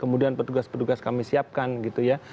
kemudian petugas petugas kami siapkan gitu ya